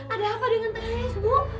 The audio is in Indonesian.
ada apa dengan teh iis bu